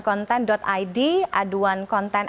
konten id aduan konten